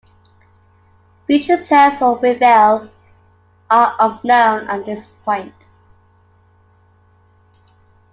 Future plans for Reveille are unknown at this point.